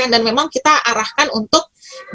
dan memang kita arahkan untuk